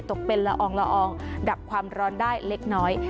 ตกเป็นละอองละอองดับความร้อนได้เล็กน้อย